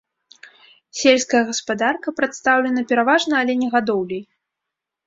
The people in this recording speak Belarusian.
Сельская гаспадарка прадстаўлена пераважна аленегадоўляй.